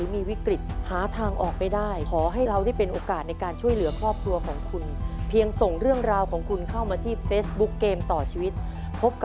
มาในวันนี้ก็รู้สึกดีใจค่ะ